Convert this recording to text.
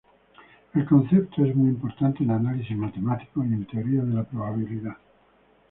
El concepto es muy importante en análisis matemático y en teoría de la probabilidad.